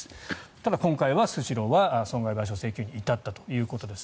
ただ今回はスシローは損害賠償請求に至ったということです。